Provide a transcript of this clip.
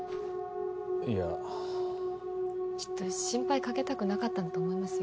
いや。きっと心配かけたくなかったんだと思いますよ。